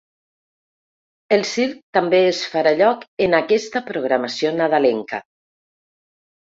El circ també es farà lloc en aquesta programació nadalenca.